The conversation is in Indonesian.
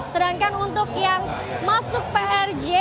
sedangkan untuk yang masuk ke prj kemayoran